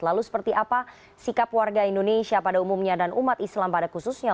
lalu seperti apa sikap warga indonesia pada umumnya dan umat islam pada khususnya